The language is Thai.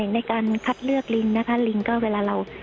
ในการคัดเลือกลิงนะคะลิงก็เวลาเรา